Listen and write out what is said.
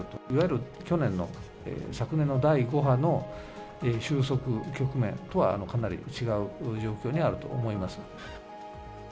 いわゆる去年の、昨年の第５波の収束局面とはかなり違う状況にあるとは思います。